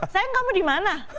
sayang kamu dimana